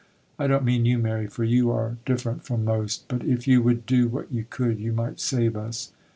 I don't mean you, Mary, for you are different from most; but if you would do what you could, you might save us.